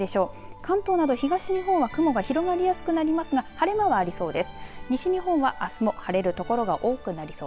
関東など東日本は雲が広がりやすくなりますが晴れ間はありそうです。